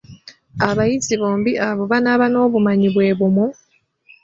Abayizi bombi abo banaaba n’obumanyi bwe bumu?